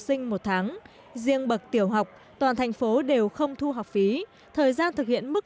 sinh một tháng riêng bậc tiểu học toàn thành phố đều không thu học phí thời gian thực hiện mức